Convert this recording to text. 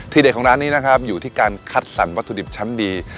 เด็ดของร้านนี้นะครับอยู่ที่การคัดสรรวัตถุดิบชั้นดี